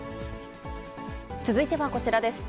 続いてはこちらです。